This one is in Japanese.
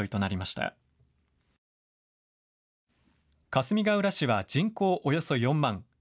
かすみがうら市は人口およそ４万。